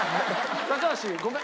高橋ごめん。